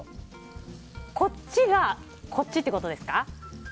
こっちがこっちってことですか？